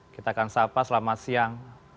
kita akan sapa selamat siang